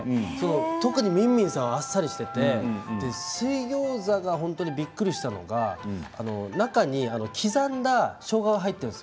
特にみんみんさんはあっさりしていて水ギョーザが本当にびっくりしたのが中に刻んだしょうがが入っているんです。